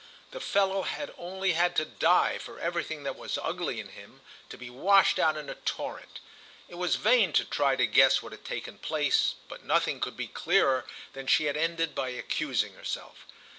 The fellow had only had to die for everything that was ugly in him to be washed out in a torrent. It was vain to try to guess what had taken place, but nothing could be clearer than that she had ended by accusing herself.